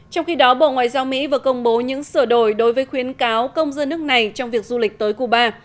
trong khi đó bộ ngoại giao mỹ vừa công bố những sửa đổi đối với khuyến cáo công dân nước này trong việc du lịch tới cuba